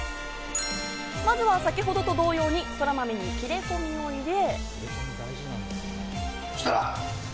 まずは先ほどと同様にそらまめに切り込みを入れ。